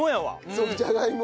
そうじゃがいも。